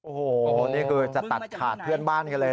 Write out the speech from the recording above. โอ้โหนี่คือจะตัดขาดเพื่อนบ้านกันเลย